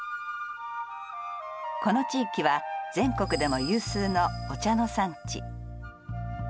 この地域は全国でも有数のお茶の産地。